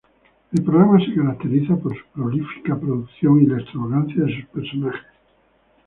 El programa se caracteriza por su prolífica producción y la extravagancia de sus personajes.